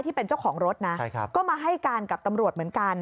ที่เป็นเจ้าของรถนะก็มาให้การกับตำรวจเหมือนกัน